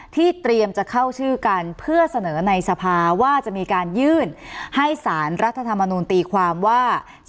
เตรียมจะเข้าชื่อกันเพื่อเสนอในสภาว่าจะมีการยื่นให้สารรัฐธรรมนูลตีความว่า